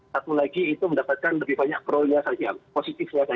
satu lagi itu mendapatkan lebih banyak pronya saja positifnya saja